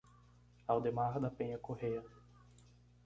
Aldemar da Penha Correia